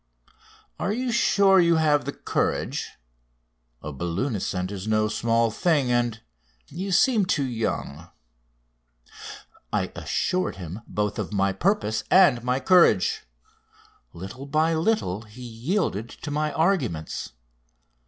Are you sure you have the courage? A balloon ascent is no small thing, and you seem too young." I assured him both of my purpose and my courage. Little by little he yielded to my arguments.